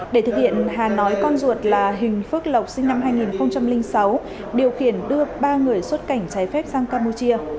để thực hiện hà nói con ruột là huỳnh phước lộc sinh năm hai nghìn sáu điều khiển đưa ba người xuất cảnh trái phép sang campuchia